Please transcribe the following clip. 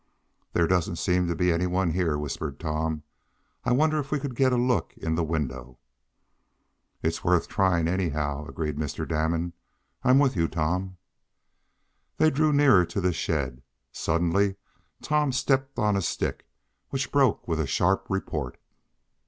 "There doesn't seem to be any one here," whispered Tom. "I wonder if we could get a look in the window?" "It's worth trying, anyhow," agreed Mr. Damon. "I'm with you, Tom." They drew nearer to the shed. Suddenly Tom stepped on a stick, which broke with a sharp report.